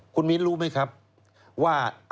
คุณมินรู้ไหมครับว่าเอาในกรุงเทพผมพูดในกรุงเทพ